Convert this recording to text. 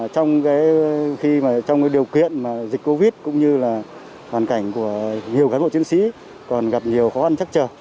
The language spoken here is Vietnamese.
trong điều kiện dịch covid cũng như là hoàn cảnh của nhiều cán bộ chiến sĩ còn gặp nhiều khó ăn chắc chờ